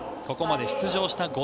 ここまで出場した